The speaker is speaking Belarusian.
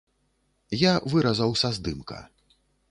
Я выразаў са здымка.